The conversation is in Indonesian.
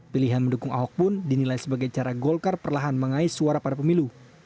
pilihan mendukung ahok pun dinilai sebagai cara golkar perlahan mengais suara pada pemilu